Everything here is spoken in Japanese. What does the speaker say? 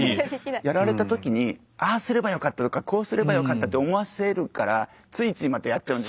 やられた時にああすればよかったとかこうすればよかったって思わせるからついついまたやっちゃうんですよね。